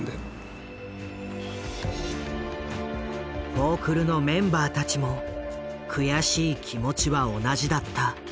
フォークルのメンバーたちも悔しい気持ちは同じだった。